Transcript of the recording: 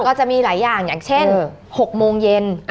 ก็จะมีหลายอย่างอย่างเช่น๖โมงเย็น